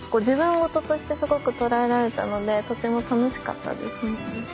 自分事としてすごく捉えられたのでとても楽しかったですね。